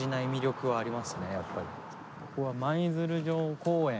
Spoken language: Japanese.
ここは舞鶴城公園。